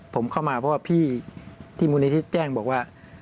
ผมเข้ามาเพราะว่าพี่ที่มูลนิธิแจ้งบอกว่า